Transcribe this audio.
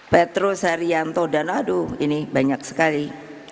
petro sarianto dan aduh ini banyak sekali